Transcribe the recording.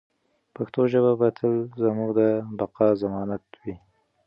پښتو ژبه به تل زموږ د بقا ضمانت وي.